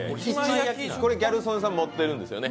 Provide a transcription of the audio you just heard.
これギャル曽根さん持ってるんですよね。